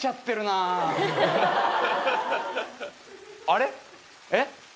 あれっ？えっ？